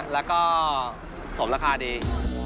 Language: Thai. แล้วก็สมราคาดี